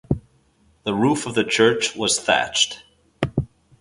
The roof of the church was thatched.